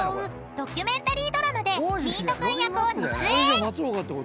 ドキュメンタリードラマでミート君役を熱演！］